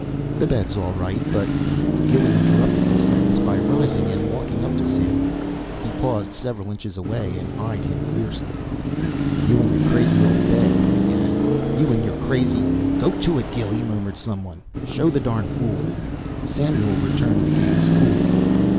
"The bed's all right, but " Gilly interrupted this sentence by rising and walking up to Samuel. He paused several inches away and eyed him fiercely. "You an' your crazy ole bed," he began. "You an' your crazy " "Go to it, Gilly," murmured some one. "Show the darn fool " Samuel returned the gaze coolly.